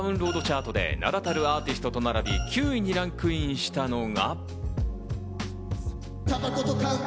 チャートで名だたるアーティストと並び、９位にランクインしたのが。